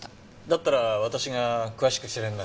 だったら私が詳しく調べます。